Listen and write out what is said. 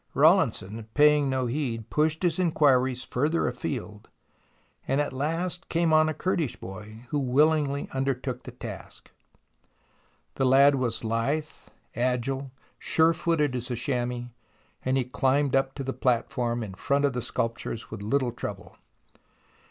Rawlinson, paying no heed, pushed his inquiries further afield, and at last came on a Kurdish boy who willingly undertook the task. The lad was lithe, agile, sure footed as a chamois, and he climbed up to the platform in front of the sculptures with little trouble.